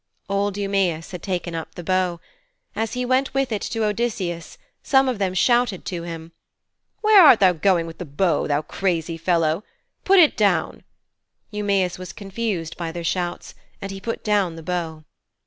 Old Eumæus had taken up the bow. As he went with it to Odysseus some of them shouted to him, 'Where art thou going with the bow, thou crazy fellow? Put it down,' Eumæus was confused by their shouts, and he put down the bow.